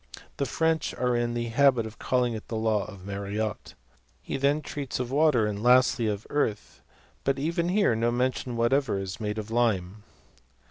The French are in the habit of calling it the law of Mariotte. He then treats of water, and lastly of earth ; but even here no mention whatever is made of lime.